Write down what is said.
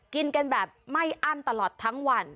กินกันแบบไม่อั้นตลอดทั้งวัน